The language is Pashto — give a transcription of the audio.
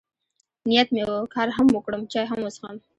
نیت مې و، کار هم وکړم، چای هم وڅښم.